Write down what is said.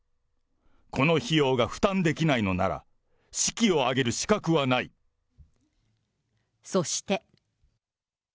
この費用が負担できないのなら、そして。